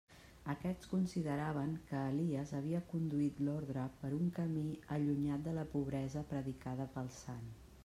Aquests consideraven que Elies havia conduït l'orde per un camí allunyat de la pobresa predicada pel sant.